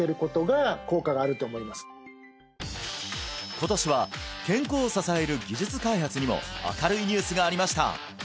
今年は健康を支える技術開発にも明るいニュースがありました